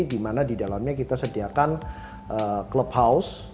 di mana di dalamnya kita sediakan clubhouse